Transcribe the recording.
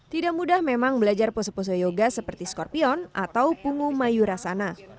tidak mudah memang belajar pose pose yoga seperti skorpion atau pungu mayurasana